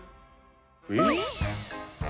えっ？